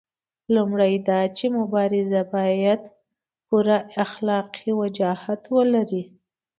لومړی دا چې مبارزه باید پوره اخلاقي وجاهت ولري.